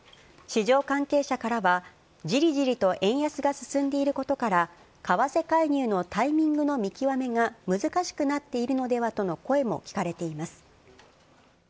市場関係者からは、じりじりと円安が進んでいることから、為替介入のタイミングの見極めが難しくなっているのではとの声も聞かれています。